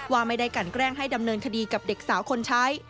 ว่าไม่ได้กันแกล้งให้ดำเนินคดีกับเด็กสาวคนใช้